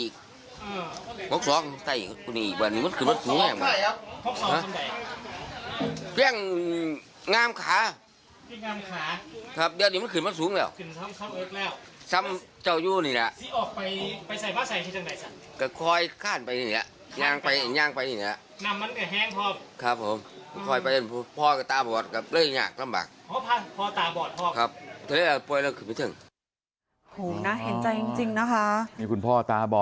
ครับ